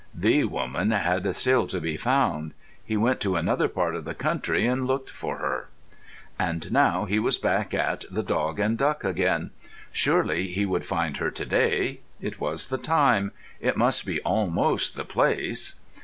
The woman had still to be found. He went to another part of the country and looked for her. And now he was back at "The Dog and Duck" again. Surely he would find her to day. It was the time; it must be almost the place.